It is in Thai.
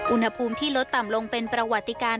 อุณหภูมิที่ลดต่ำลงเป็นประวัติการ